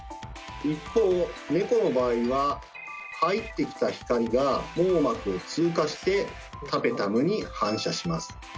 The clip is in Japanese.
一方ネコの場合は入ってきた光が網膜を通過してタペタムに反射します。